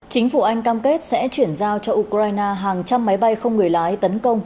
chính phủ anh cam kết sẽ chuyển giao cho ukraine hàng trăm máy bay không người lái tấn công